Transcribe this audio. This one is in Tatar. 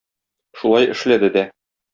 Шулай эшләде дә.